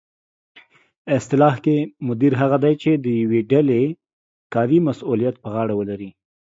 اصطلاح کې مدیر هغه دی چې د یوې ډلې کاري مسؤلیت په غاړه ولري